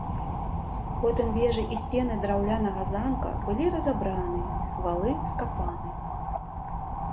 Потым вежы і сцены драўлянага замка былі разабраны, валы скапаны.